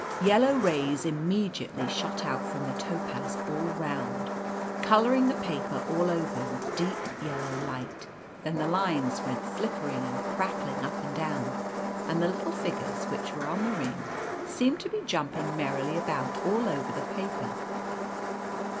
Yellow rays immediately shot out from the topaz all round, colouring the paper all over with deep yellow light. Then the lines went flickering and crackling up and down, and the little figures which were on the ring seemed to be jumping merrily about all over the paper.